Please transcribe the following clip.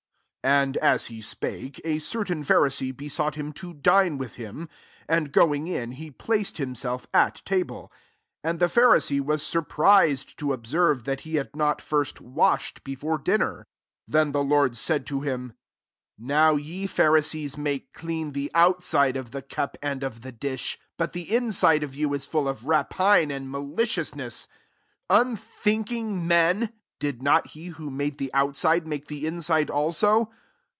37 And as he spake, a certain Pharisee besought him to dine with him : and going in, he placed himself at table. 38 And the Pharisee was surprised to observe, that he had not first Washed before dinner. 39 Then the Lord said to him, "Now ye Pharisees make clean the outside of the eup and of the dish ; but the inside of yea is full of rapine and malicious ness. 40 Unthmking men i did not he who made the outskle, make the inside also